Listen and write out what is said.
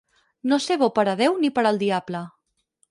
No ser bo per a Déu ni per al diable.